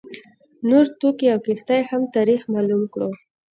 نور توکي او کښتۍ هم تاریخ معلوم کړو.